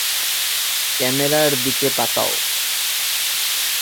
ক্যামেরার দিকে তাকাও।